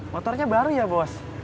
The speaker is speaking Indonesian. motornya baru ya bos